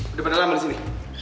udah pada lama disini